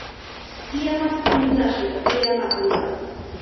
Киямат пундашлык киямат улат!..